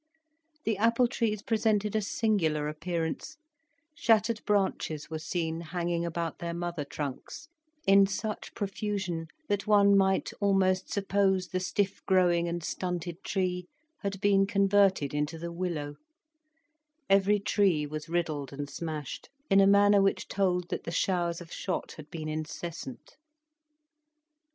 The apple trees presented a singular appearance; shattered branches were seen hanging about their mother trunks in such profusion that one might almost suppose the stiff growing and stunted tree had been converted into the willow: every tree was riddled and smashed in a manner which told that the showers of shot had been incessant.